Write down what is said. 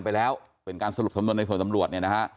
ไปแล้วเป็นการสรุปสำนวนในส่วนตำรวจเนี่ยนะฮะ